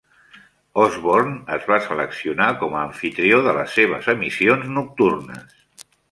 Osborne es va seleccionar com a amfitrió de les seves emissions nocturnes.